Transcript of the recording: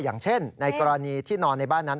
อย่างเช่นในกรณีที่นอนในบ้านนั้น